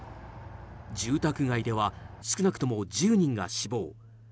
住宅街では少なくとも１０人が死亡。